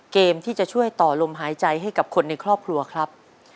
เกมที่จะช่วยต่อลมหายใจให้กับคนในครอบครัวครับ